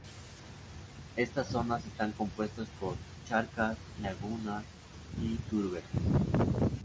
Estas zonas están compuestas por charcas, lagunas y turberas.